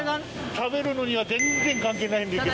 食べるのには全然関係ないんだけど。